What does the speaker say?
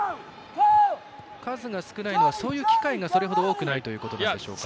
数が少ないのはそういう機会が多くないということですか？